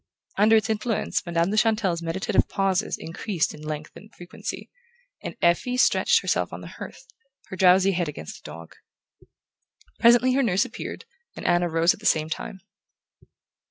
Under its influence Madame de Chantelle's meditative pauses increased in length and frequency, and Effie stretched herself on the hearth, her drowsy head against the dog. Presently her nurse appeared, and Anna rose at the same time.